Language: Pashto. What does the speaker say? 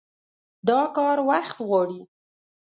دا کار وخت غواړي.